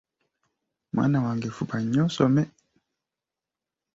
Mwana wange fuba nnyo osome.